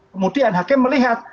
kemudian hakim melihat